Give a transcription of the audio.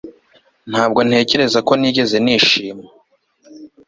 Ntabwo ntekereza ko nigeze nishima